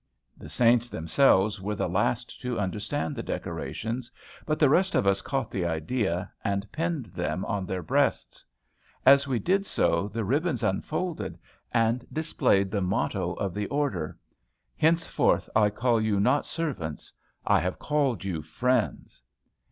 The saints themselves were the last to understand the decorations; but the rest of us caught the idea, and pinned them on their breasts. As we did so, the ribbons unfolded, and displayed the motto of the order: "Henceforth I call you not servants, I have called you friends."